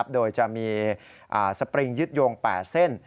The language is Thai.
โดยจะมีสปริงยึดโยง๘เส้น